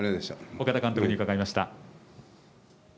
岡田監督に伺いました。